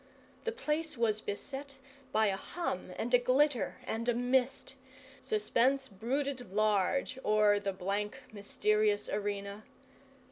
The place was beset by a hum and a glitter and a mist; suspense brooded large o'er the blank, mysterious arena.